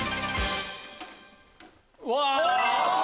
うわ！